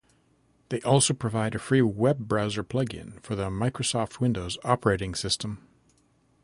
They also provide a free web browser plug-in for the Microsoft Windows operating system.